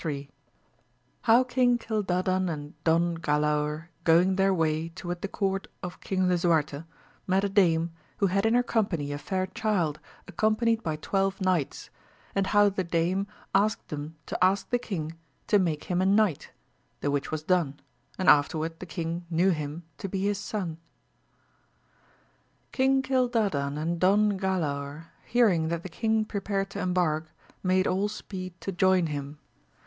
III. — How King Cildadan and Don Q alaor going their way toward the court of King Lisuarte, met a Dame, who had in her company a fair Child accompanied hy twelre Knights, and how the Dame asked them to ask the King to make him a Knight, the which was done, and afterward tho King knew him to be his son. ING CILDADAN and Don Galaor hearing that the king prepared to embark made all speed to join him.